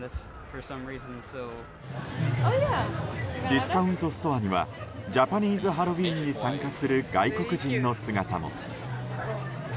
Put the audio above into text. ディスカウントストアにはジャパニーズハロウィーンに参加する外国人の姿も。